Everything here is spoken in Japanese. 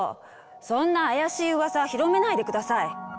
そんな怪しいウワサ広めないで下さい！